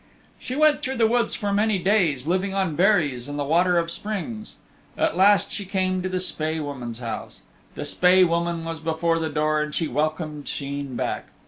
She went through the woods for many days, living on berries and the water of springs. At last she came to the Spae Woman's house. The Spae Woman was before the door and she welcomed Sheen back.